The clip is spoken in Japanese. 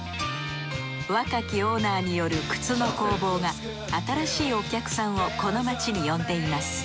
若きオーナーによる靴の工房が新しいお客さんをこの街に呼んでいます。